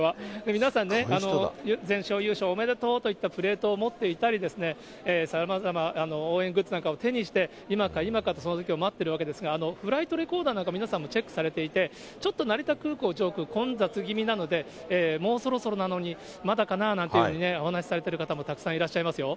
皆さんね、全勝優勝おめでとうといったプレートを持っていたりですね、さまざま応援グッズなんかを手にして、今か今かとそのときを待っているわけですが、フライトレコーダーなども皆さんもチェックされていて、ちょっと成田空港上空、混雑気味なのでもうそろそろなのにまだかななんていうふうにね、お話されている方もたくさんいらっしゃいますよ。